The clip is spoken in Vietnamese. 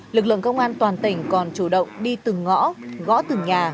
lực lượng công an toàn tỉnh còn chủ động đi từng ngõ gõ từng nhà